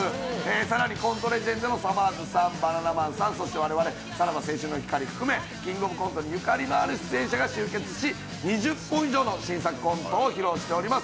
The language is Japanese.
更にコントレジェンドのさまぁずさん、バナナマンさん、そして我々、さらば青春の光含め「キングオブコント」にゆかりのある人が出演し２０本以上の新作コントを披露しております。